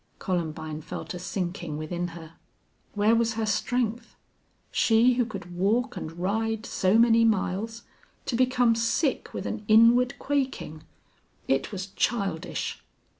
Columbine felt a sinking within her. Where was her strength? She, who could walk and ride so many miles, to become sick with an inward quaking! It was childish.